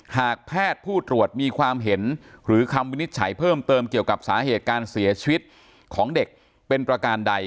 หากแพทย์ผู้ตรวจมีความเห็นหรือคำวินิจฉัยเพิ่มเติมเกี่ยวกับสาเหตุการเสียชีวิตของเด็กเป็นประการใด